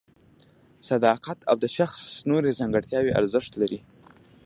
صداقت او د شخص نورې ځانګړتیاوې ارزښت لري.